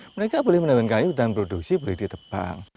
mereka boleh menebang kayu hutan produksi boleh ditebang